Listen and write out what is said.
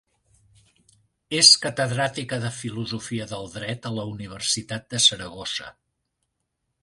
És catedràtica de Filosofia del Dret a la Universitat de Saragossa.